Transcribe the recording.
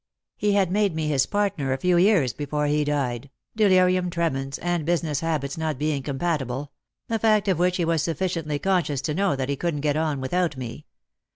He had made me his partner a few years before he died — delirium tremens and business habits not being compatible — a fact of which he was sufficiently conscious to know that he couldn't get on without me.